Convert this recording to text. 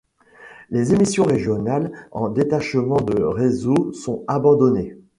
Les émissions régionales en détachement de réseau sont abandonnées.